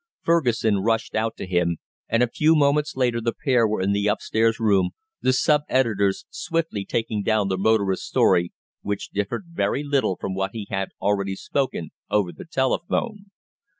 Fergusson rushed out to him, and a few moments later the pair were in the upstairs room, the sub editor swiftly taking down the motorist's story, which differed very little from what he had already spoken over the telephone.